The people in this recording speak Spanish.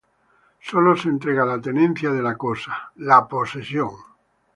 Sólo se entrega la tenencia de la cosa, la posesión.